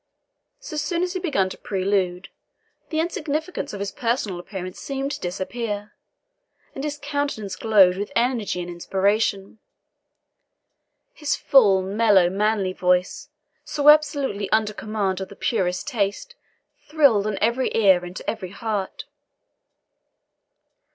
So soon as he began to prelude, the insignificance of his personal appearance seemed to disappear, and his countenance glowed with energy and inspiration. His full, manly, mellow voice, so absolutely under command of the purest taste, thrilled on every ear and to every heart.